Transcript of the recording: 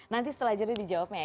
nanti setelah jadi dijawabnya ya